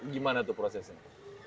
gimana tuh prosesnya